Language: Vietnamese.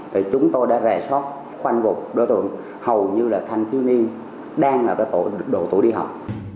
thì chúng tôi đã rè sót khoanh vụt đối tượng hầu như là thanh thiếu niên đang ở độ tuổi đi học